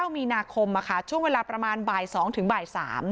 มีนาคมช่วงเวลาประมาณบ่าย๒ถึงบ่าย๓